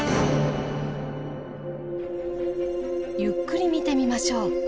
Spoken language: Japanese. ゆっくり見てみましょう。